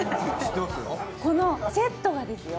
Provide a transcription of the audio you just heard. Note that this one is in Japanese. このセットがですよ。